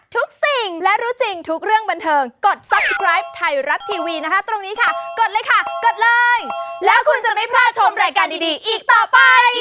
ทุกอย่างของที่เป็นของผู้ชมที่บรรดาแฟนคลับ